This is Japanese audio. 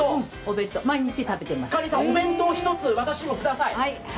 蠏さん、お弁当を一つ私にもください。